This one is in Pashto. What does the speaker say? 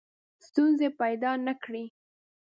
ستونزې پیدا نه کړي.